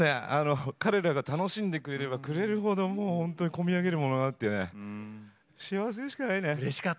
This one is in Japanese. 彼らが楽しんでくれればくれるほど込み上げるものがあって幸せでしかないね。